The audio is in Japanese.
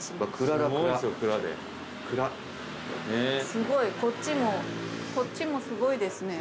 すごいこっちもこっちもすごいですね。